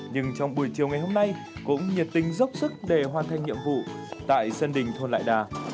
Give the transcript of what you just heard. nhưng trong buổi chiều ngày hôm nay cũng nhiệt tình dốc sức để hoàn thành nhiệm vụ tại sân đình thôn lại đà